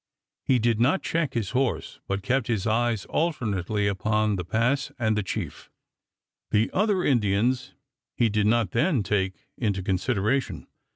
He did not check his horse, but kept his eyes alternately upon the pass and the chief. The other Indians he did not then take into consideration.